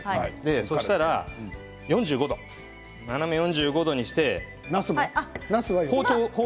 そうしたら斜め４５度にして。